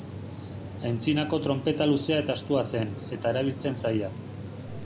Antzinako tronpeta luzea eta estua zen, eta erabiltzen zaila.